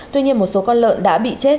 tuy nhiên một số con lợn đã bị chết